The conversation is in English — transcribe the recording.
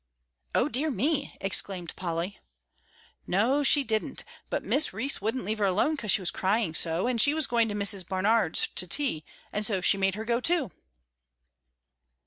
"O dear me!" exclaimed Polly. "No, she didn't; but Miss Rhys wouldn't leave her alone 'cause she was crying so, and she was going to Miss Barnard's to tea, and so she made her go, too."